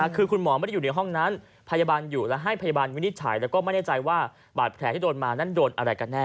คือคุณหมอไม่ได้อยู่ในห้องนั้นพยาบาลอยู่และให้พยาบาลวินิจฉัยแล้วก็ไม่แน่ใจว่าบาดแผลที่โดนมานั้นโดนอะไรกันแน่